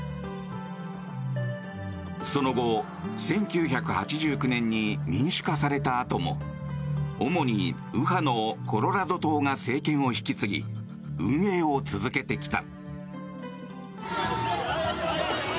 その後、１９８９年に民主化されたあとも主に右派のコロラド党が政権を引き継ぎ運営を続けてきた。